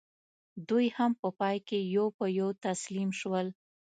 دوی هم په پای کې یو په یو تسلیم شول.